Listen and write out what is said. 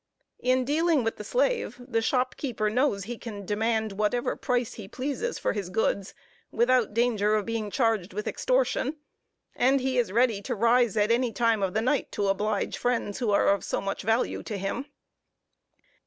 In dealing with the slave, the shop keeper knows he can demand whatever price he pleases for his goods, without danger of being charged with extortion; and he is ready to rise at any time of the night to oblige friends, who are of so much value to him.